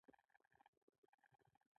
د کابل باغ بالا د تیموري باغ دی